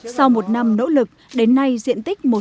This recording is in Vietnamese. sau một năm nỗ lực đến nay dân tộc thiếu số đã trở lại